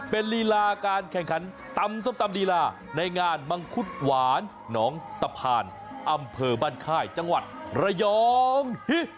เป็นลีลาการแข่งขันตำส้มตำลีลาในงานมังคุดหวานหนองตะพานอำเภอบ้านค่ายจังหวัดระยอง